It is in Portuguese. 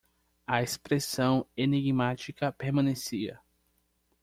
A expressão enigmática permanecia.